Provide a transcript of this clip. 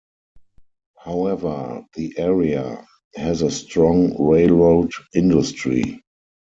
However the area has a strong railroad industry.